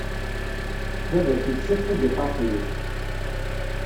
Baba-k yekkes-ak tagiṭart-nnek.